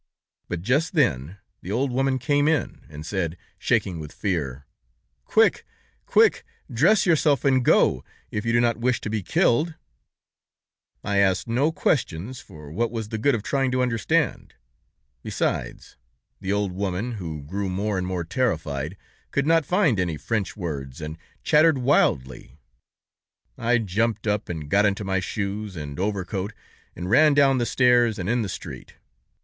But just then, the old woman came in, and said, shaking with fear: 'Quick, quick; dress yourself and go, if you do not wish to be killed.' "I asked no questions, for what was the good of trying to understand? Besides, the old woman, who grew more and more terrified, could not find any French words, and chattered wildly. I jumped up and got into my shoes and overcoat and ran down the stairs, and in the street.